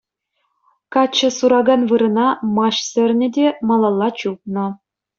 Каччӑ суракан вырӑна маҫ сӗрнӗ те малалла чупнӑ.